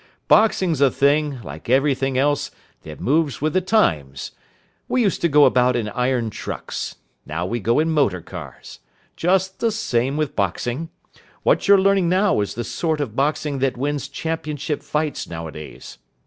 boxing's a thing, like everything else, that moves with the times. We used to go about in iron trucks. Now we go in motor cars. Just the same with boxing. What you're learning now is the sort of boxing that wins championship fights nowadays.